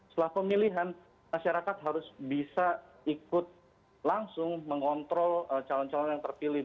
setelah pemilihan masyarakat harus bisa ikut langsung mengontrol calon calon yang terpilih